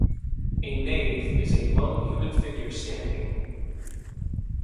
A Knave is a lone human figure standing.